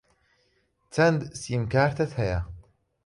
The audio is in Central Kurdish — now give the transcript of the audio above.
چەند سیمکارتت هەیە؟